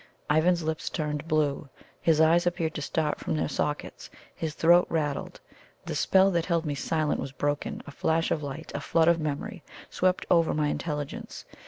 Ivan's lips turned blue; his eyes appeared to start from their sockets; his throat rattled. The spell that held me silent was broken; a flash of light, a flood of memory swept over my intelligence.